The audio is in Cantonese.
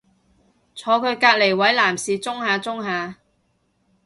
坐佢隔離位男士舂下舂下